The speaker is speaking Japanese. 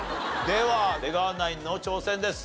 では出川ナインの挑戦です。